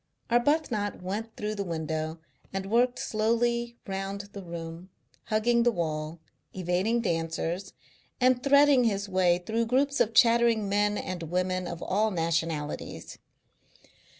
Arbuthnot went through the window and worked slowly round the room, hugging the wall, evading dancers, and threading his way through groups of chattering men and women of all nationalities.